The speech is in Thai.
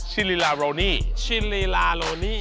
ชิลลีลาโรนีชิลลีลาโรนี